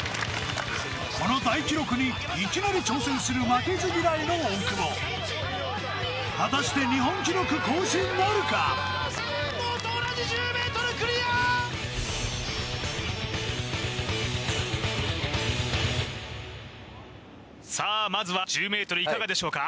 この大記録にいきなり挑戦する負けず嫌いの大久保果たしてさあまずは１０ｍいかがでしょうか